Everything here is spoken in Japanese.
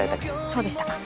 そうでしたか。